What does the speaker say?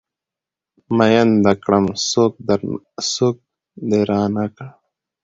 ميين د کړم سوک د رانه کړ